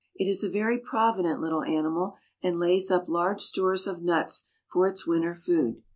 It is a very provident little animal, and lays up large stores of nuts for its winter food.